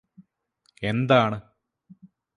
എന്താണ്